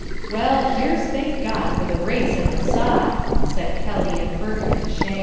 "Well, here's thank God for the race and the sod!" Said Kelly and Burke and Shea.